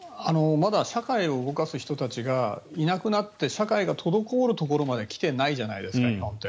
まだ社会を動かす人たちがいなくなって社会が滞るところまで日本は来てないじゃないですか。